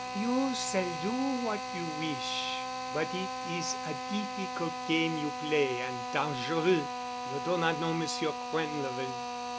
"You s'all do what you wish, but it is a difficult game you play an' dangereux. You do not know Monsieur Quinlevin.